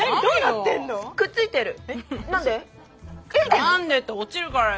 何でって落ちるからよ。